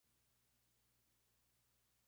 Esto debido a dos factores centrales.